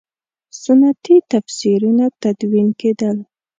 سنتي تفسیرونه تدوین کېدل.